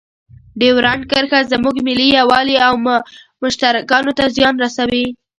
ډیورنډ کرښه زموږ ملي یووالي او مشترکاتو ته زیان رسوي.